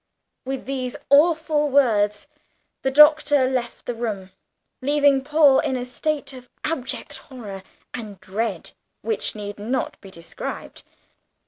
With these awful words the Doctor left the room, leaving Paul in a state of abject horror and dread which need not be described.